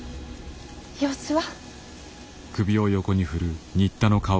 様子は。